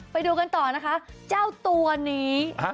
ไปดูกันต่อนะคะเจ้าตัวนี้